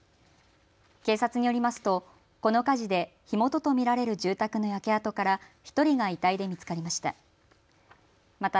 警察によりますとこの火事で火元と見られる住宅の焼け跡から１人が遺体で見つかりました。